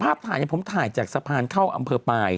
ภาพผ่านที่ผมถ่ายจากสะพานเข้าอำเมียปลาย